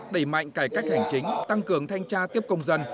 đẩy mạnh cải cách hành chính tăng cường thanh tra tiếp công dân